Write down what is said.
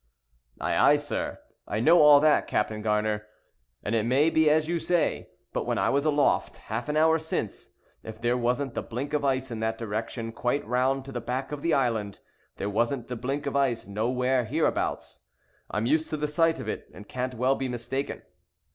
"Ay, ay, sir—I know all that, Captain Gar'ner, and it may be as you say, but when I was aloft, half an hour since, if there wasn't the blink of ice in that direction, quite round to the back of the island, there wasn't the blink of ice nowhere hereabouts. I'm used to the sight of it, and can't well be mistaken."